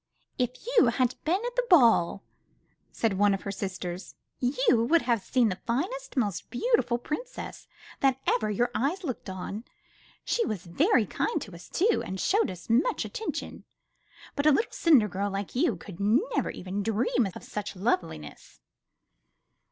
If you had been at the ball,'' said one of her sisters, "you would have seen the finest, most beautiful princess that ever your eyes looked on. She was very kind to us, too, and showed us much attention. But a little cinder girl like you could never even dream of such loveliness!"